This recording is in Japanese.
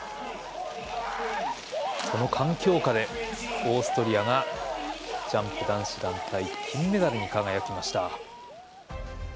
この環境下でオーストリアがジャンプ男子団体金メダルに輝きました。